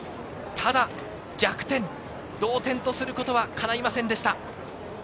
ただ逆転、同点とすることはかないませんでした。